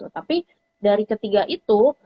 tapi dari ketiga itu